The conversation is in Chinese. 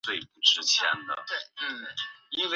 同区新世界发展大型住宅项目